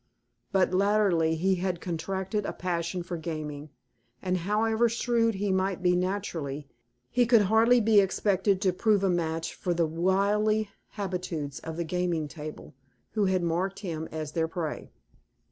But, latterly, he had contracted a passion for gaming, and however shrewd he might be naturally, he could hardly be expected to prove a match for the wily habitues of the gaming table, who had marked him as their prey.